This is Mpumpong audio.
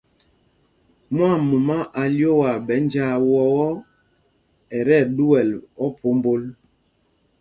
Mwaamumá a lyoowaa ɓɛ̌ njāā wɔ́ɔ́ ɔ, ɛ tí ɛɗuɛl ophómbol.